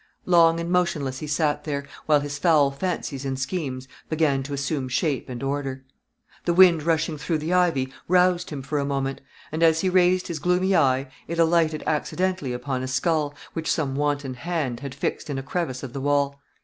Long and motionless he sat there, while his foul fancies and schemes began to assume shape and order. The wind rushing through the ivy roused him for a moment, and as he raised his gloomy eye it alighted accidentally upon a skull, which some wanton hand had fixed in a crevice of the wall.